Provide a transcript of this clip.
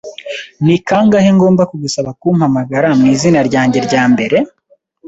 Ni kangahe ngomba kugusaba kumpamagara mwizina ryanjye ryambere?